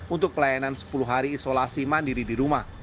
untuk pelayanan sepuluh hari isolasi mandiri di rumah